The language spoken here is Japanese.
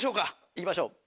いきましょう。